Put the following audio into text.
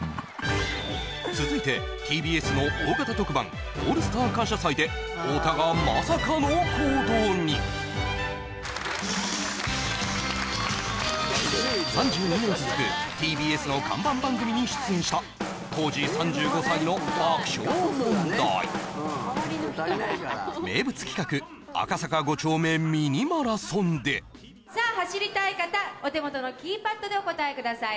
続いてＴＢＳの大型特番「オールスター感謝祭」で太田がまさかの行動に３２年続くＴＢＳの看板番組に出演した当時３５歳の爆笑問題名物企画赤坂５丁目ミニマラソンでさあ走りたい方お手元のキーパッドでお答えください